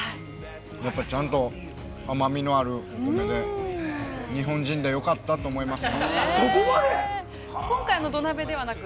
◆やっぱりちゃんと甘みのあるお米で、日本人でよかったと思います。